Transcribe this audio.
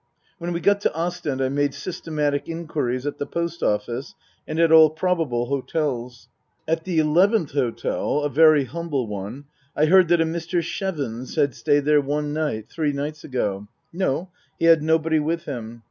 When we got to Ostend I made systematic inquiries at the Post Office and at all probable hotels. At the eleventh hotel (a very humble one) I heard that a " Mr. Chevons " had stayed there one night, three nights ago. No, he had nobody with him.